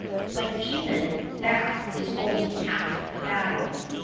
But even that is only half the battle.